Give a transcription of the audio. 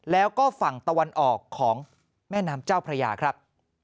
แล้วก็ฝั่งตะวันออกของแม่น้ำเจ้าพระยาครับ